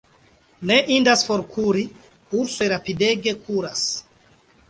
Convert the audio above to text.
Ne indas forkuri: ursoj rapidege kuras.